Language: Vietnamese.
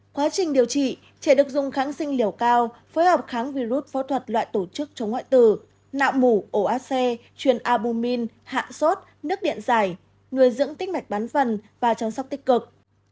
quá trình điều trị trẻ được dùng kháng sinh liều cao phối hợp kháng virus phó thuật loại tổ chức chống ngoại tử nạo mủ oac truyền albumin hạ sốt nước điện giải nuôi dưỡng tích mạch bán phần và chăm sóc tích cực